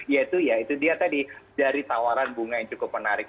yaitu ya itu dia tadi dari tawaran bunga yang cukup menarik